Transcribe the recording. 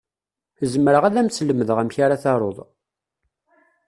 Zemreɣ ad m-slemdeɣ amek ara taruḍ.